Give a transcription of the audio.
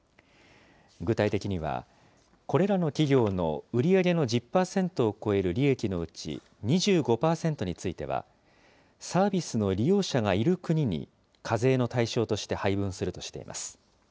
具体的には、これらの企業の売り上げの１０％を超える利益のうち２５％については、サービスの利用者がいる国に、課税の対象として配分するとしています。